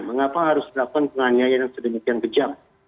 mengapa harus terdapat penganiayaan yang sedemikian kejam